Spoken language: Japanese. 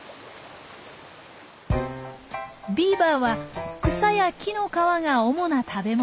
ビーバーは草や木の皮が主な食べ物。